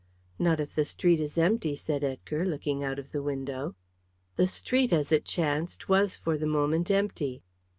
"Not if the street is empty," said Edgar, looking out of the window. The street, as it chanced, was for the moment empty.